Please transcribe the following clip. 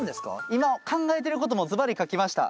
今考えてることもズバリ描きました。